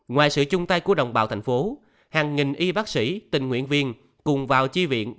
ngoài sự chung tay của đồng bào thành phố hàng nghìn y bác sĩ tình nguyện viên cùng vào chi viện